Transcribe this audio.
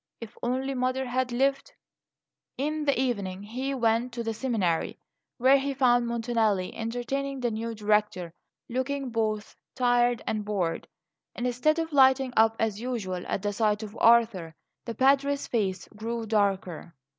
If only mother had lived In the evening he went to the seminary, where he found Montanelli entertaining the new Director and looking both tired and bored. Instead of lighting up, as usual, at the sight of Arthur, the Padre's face grew darker.